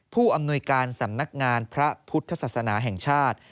ผู้อำนวยการสำนักงานพระพุทธศาสนาแห่งชาติ